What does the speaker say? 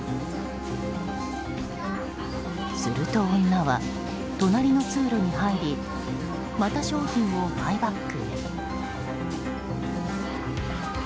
すると、女は隣の通路に入りまた商品をマイバッグへ。